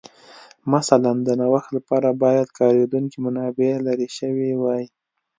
مثلاً د نوښت لپاره باید کارېدونکې منابع لرې شوې وای